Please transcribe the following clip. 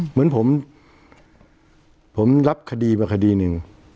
เหมือนผมผมรับคดีมาคดีหนึ่ง